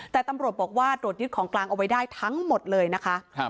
แต่ตำรวจบอกว่าตรวจยึดของกลางเอาไว้ได้ทั้งหมดเลยนะคะ